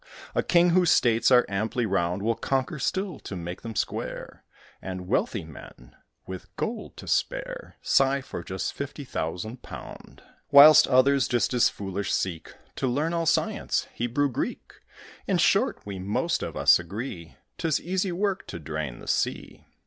A king whose states are amply round, Will conquer still, to make them square; And wealthy men, with gold to spare, Sigh for just fifty thousand pound; Whilst others, just as foolish, seek To learn all science, Hebrew, Greek! In short, we most of us agree, 'Tis easy work to drain the sea!